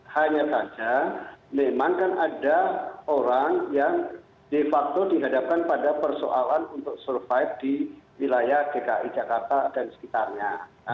hanya saja memang kan ada orang yang de facto dihadapkan pada persoalan untuk survive di wilayah dki jakarta dan sekitarnya